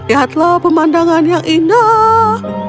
lihatlah pemandangan yang indah